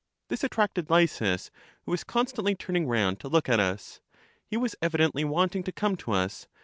This attracted Lysis, who was constantly turning round to look at us — he was evidently wanting to come to us.